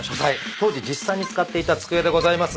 当時実際に使っていた机でございます。